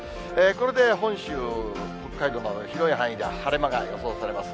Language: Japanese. これで本州、北海道など、広い範囲で晴れ間が予想されます。